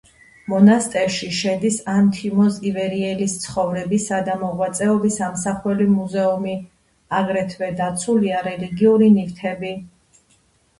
მონასტერში შედის ანთიმოზ ივერიელის ცხოვრებისა და მოღვაწეობის ამსახველი მუზეუმი, აგრეთვე დაცულია რელიგიური ნივთები.